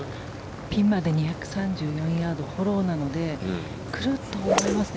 ピンまで２３４ヤードフォローなので来ると思いますね。